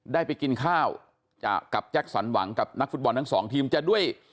ได้ไปกินข้าวกับแจ็คสันหวังกับนักฟุตบอลทั้งสองทีมจะด้วย